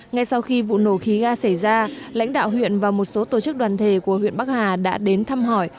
ngay sau khi vụ nổ khí ga xảy ra lãnh đạo huyện và một số tổ chức đoàn thể của huyện bắc hà đã đến thăm hỏi